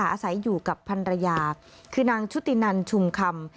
อาศัยอยู่กับพันรยาคือนางชุตินันชุมคำ